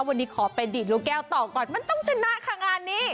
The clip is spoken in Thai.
วันนี้ขอเป็นดีดลูกแก้วต่อก่อนมันต้องชนะค่ะงานนี้